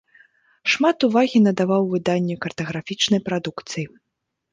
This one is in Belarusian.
Шмат увагі надаваў выданню картаграфічнай прадукцыі.